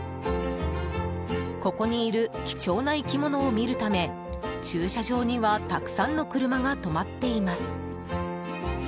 ここにいる貴重な生き物を見るため駐車場にはたくさんの車が止まっています。